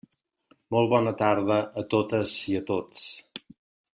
Molt bona tarda a totes i a tots.